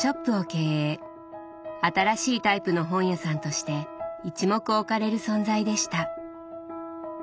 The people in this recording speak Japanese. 新しいタイプの本屋さんとして一目置かれる存在でした。